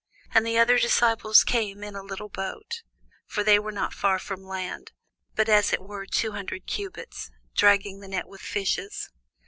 And the other disciples came in a little ship; (for they were not far from land, but as it were two hundred cubits,) dragging the net with fishes.